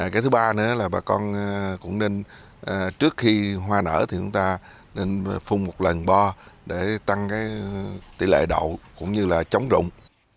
cái thứ ba nữa là bà con cũng nên trước khi hoa nở thì chúng ta nên phun một lần bo để tăng cái tỷ lệ đậu cũng như là chống rụng